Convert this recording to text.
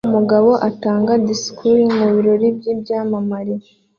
Umugabo atanga disikuru mubirori byimyambarire